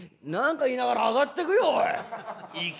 「何か言いながら上がってくよおい。